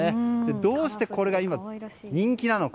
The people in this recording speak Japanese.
どうしてこれが今、人気なのか。